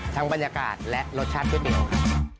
ทั้งบรรยากาศและรสชาติเพียบเดียวครับ